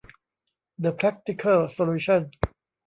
เดอะแพรคทิเคิลโซลูชั่น